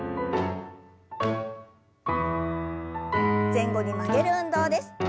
前後に曲げる運動です。